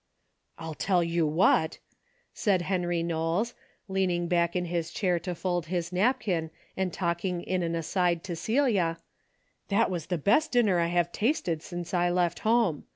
" I tell you what !" said Harry Knowles, leaning back in his chair to fold his napkin and talking in an aside to Celia, " that was the best dinner I have tasted since I left home.